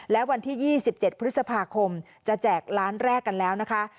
และวันที่๒๗พฤษภาคมจะแจกล้านแรกกันแล้วนะคะ